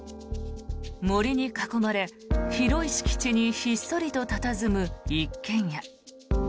森に囲まれ、広い敷地にひっそりと佇む一軒家。